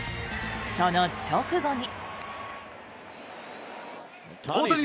その直後に。